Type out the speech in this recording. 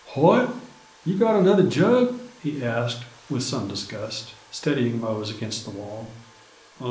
"What? You got another jug?" he asked, with some disgust, steadying Mose against the wall.